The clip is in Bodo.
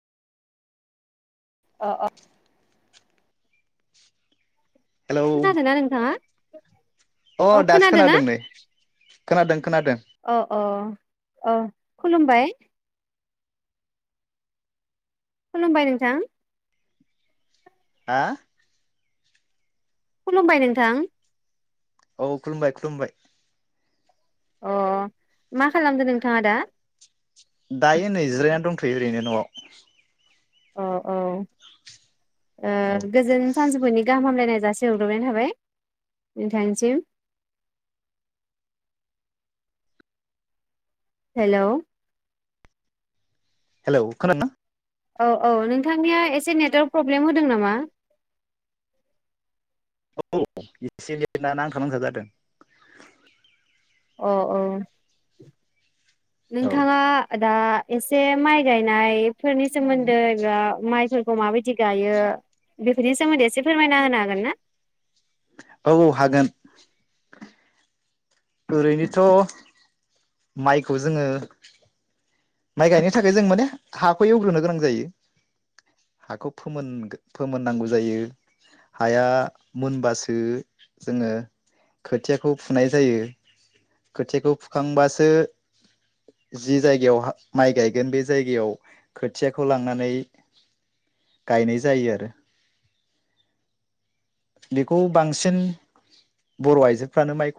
अ अ हेलौ खोनादों ना नोंथाङा अ औ दासो खोनादों नै। खोनादों। खोनादों अ अ अ खुलुमबाय खुलुमबाय नोंथां। हा खुलुमबाय नोंथां। औ खुलुमबाय खुलुमबाय अ मा खालामदो नों थाङा दा दायो नै जिरायनानै दंथ'यो ओरैनो न'आव। अ औ ओ औ गोजोन सानजौफुनि गाहामलायनाय जासे हरग्रोनाय थाबाय नोंथांनिसिम। हेलौ हेलौ खोनादोंना? औ औ नोंथांनिया एसे नेटवारक प्रब्लेम होदों नामा? औ औ एसे नांथा नुंथा जादों। अ औ औ नोंथांङा दा एसे माइ गायनायफोरनि सोमोन्दै एबा माइफोर माबायदि गायो बेफोरनि सोमोन्दै एसे फोरमायना होनो हागोन ना? औ हागोन ओरैनोथ' माइखौ जोङो माइ गायनो थाखाय जों माने हाखौ एवग्रोनो गोनां जायो हाखौ फोमोन फोमोननांगौ जायो हाया मोनबासो जोंङो खोथियाखौ फुनाय जायो। खोथियाखौ फुखांबासो जि जायगायाव माइ गायगोन बे जायगायाव खोथियाखौ लांनानै गायनाय जायो आरो। बेखौ बांसिन बर' आइजोफ्रानो माइखौ